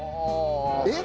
えっ？